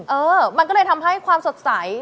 เออมันก็เลยทำให้ความสดใส